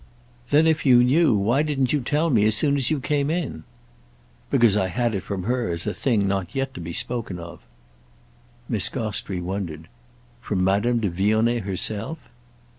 "Then if you knew why didn't you tell me as soon as you came in?" "Because I had it from her as a thing not yet to be spoken of." Miss Gostrey wondered. "From Madame de Vionnet herself?"